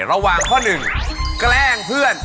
ระหว่างข้อหนึ่งแกล้งเพื่อน